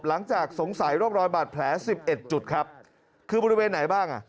หลังจากสงสัยร่องรอยบาดแผลสิบเอ็ดจุดครับคือบริเวณไหนบ้างอ่ะ